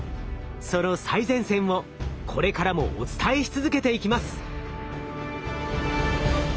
その最前線をこれからもお伝えし続けていきます。